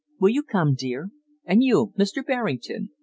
Will you come, dear? And you, Mr. Berrington?